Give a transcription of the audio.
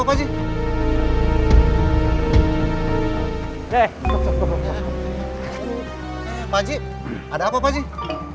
pakcik ada apa pakcik